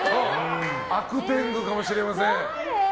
悪天狗かもしれません。